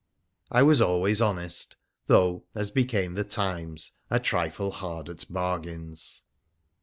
I was always honest, though, as became the times, a trifle hard at bargains.